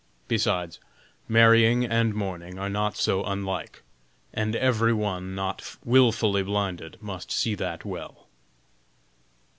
Besides, marrying and mourning are not so unlike, and every one not wilfully blinded must see that well."